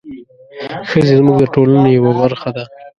ښځې زموږ د ټولنې یوه برخه ده.